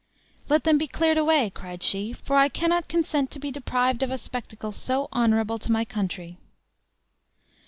"Let them be cleared away!" cried she; "for I cannot consent to be deprived of a spectacle so honorable to my country."